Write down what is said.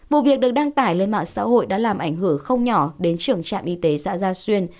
vụ việc được đăng tải lên mạng xã hội đã làm ảnh hưởng không nhỏ đến trưởng trạm y tế xã gia xuyên